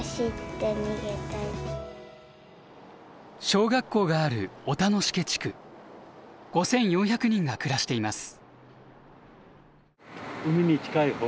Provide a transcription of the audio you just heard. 小学校がある５，４００人が暮らしています。